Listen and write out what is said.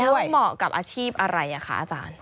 มันเหมาะกับอาชีพอะไรคะอาจารย์